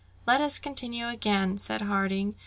"Let us continue again," said Harding.